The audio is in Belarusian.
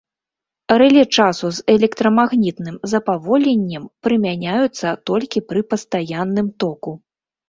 Рэле часу з электрамагнітным запаволеннем прымяняюцца толькі пры пастаянным току.